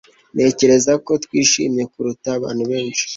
Ntekereza ko twishimye kuruta abantu benshi